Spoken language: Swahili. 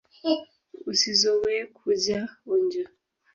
Usizowee kuja unju.